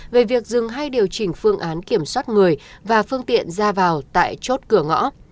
về việc dừng hay điều chỉnh phương án kiểm soát người và phương tiện ra vào tại chốt cửa ngõ